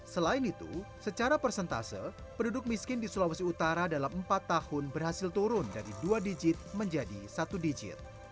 selain itu secara persentase penduduk miskin di sulawesi utara dalam empat tahun berhasil turun dari dua digit menjadi satu digit